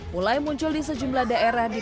mulai muncul di sejumlah daerah di